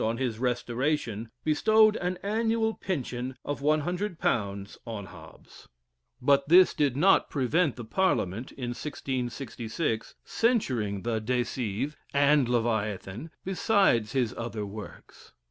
on his restoration, bestowed an annual pension of £100 on Hobbes, but this did not prevent the parliament, in 1666, censuring the "De Cive" and "Leviathan," besides his other works.